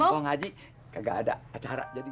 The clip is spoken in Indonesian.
kong haji kagak ada acara jadi